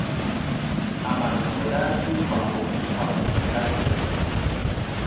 Amaa o daa tee gbaɣiri o kpuŋkpama ka yiɣi.